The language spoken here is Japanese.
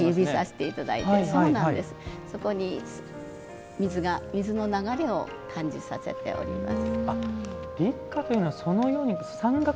そこに水の流れを感じさせております。